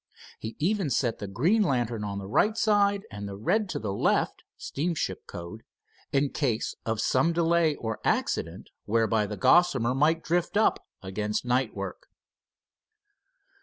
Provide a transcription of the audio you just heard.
He even set the green lantern on the right side and the red to the left, steamship code, in case of some delay or accident, whereby the Gossamer might drift up against night work.